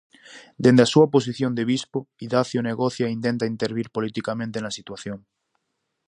Dende a súa posición de bispo, Idacio negocia e tenta intervir politicamente na situación.